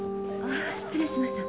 失礼しました。